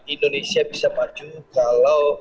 indonesia bisa maju kalau